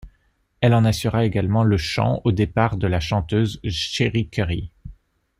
Elle en assura également le chant au départ de la chanteuse Cherie Currie.